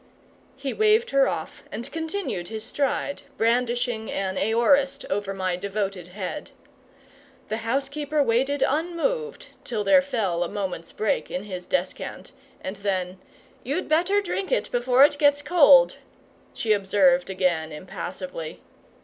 He waved her off and continued his stride, brandishing an aorist over my devoted head. The housekeeper waited unmoved till there fell a moment's break in his descant; and then, "You'd better drink it before it gets cold," she observed again, impassively.